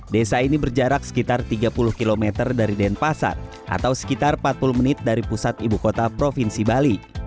desa ini berjarak sekitar tiga puluh km dari denpasar atau sekitar empat puluh menit dari pusat ibu kota provinsi bali